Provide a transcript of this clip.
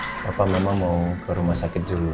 bapak memang mau ke rumah sakit dulu